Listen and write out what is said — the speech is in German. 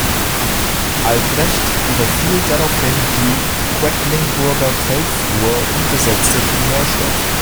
Albrecht überfiel daraufhin die Quedlinburger Feldflur und besetzte die Neustadt.